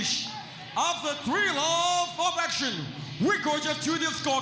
หลังจาก๓ภารกิจเราจะไปรุ้นกัน